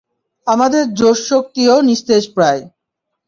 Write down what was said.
আমাদের জোশ-শক্তিও নিস্তেজ প্রায়।